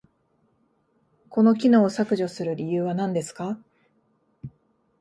この機能を削除する理由は何ですか？